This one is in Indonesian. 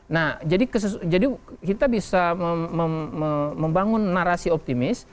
nah jadi kita bisa membangun narasi optimis